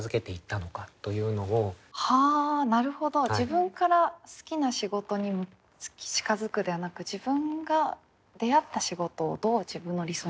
自分から好きな仕事に近づくではなく自分が出会った仕事をどう自分の理想に近づけるか。